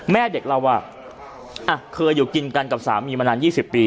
แม่เด็กเราเคยอยู่กินกับสามีมาหน้ายี่สิบปี